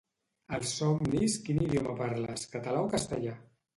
Als somnis quin idioma parles català o castellà?